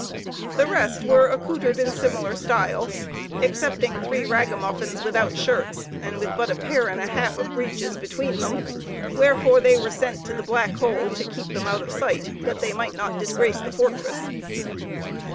The rest were accoutred in similar style, excepting three ragamuffins without shirts, and with but a pair and a half of breeches between them; wherefore they were sent to the black hole, to keep them out of sight, that they might not disgrace the fortress.